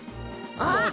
ああ！